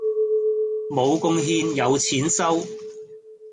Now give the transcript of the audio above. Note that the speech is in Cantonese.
無貢獻有錢收